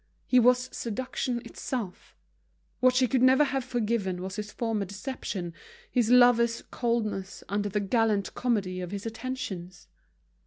He was seduction itself. What she could never have forgiven was his former deception, his lover's coldness under the gallant comedy of his attentions.